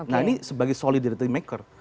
nah ini sebagai solidarity maker